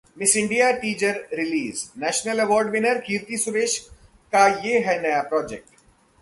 miss India teaser release: national award winner Keerthy Suresh का ये है नया प्रोजेक्ट